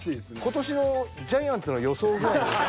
今年のジャイアンツの予想ぐらい。